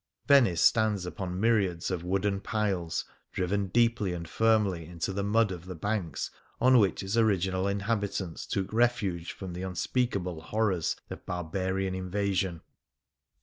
Venice stands upon mvriads of wooden piles driven deeply and firmly into the mud of the banks on which its original inhabitants took refuge from the un speakable horrors of barbarian invasion.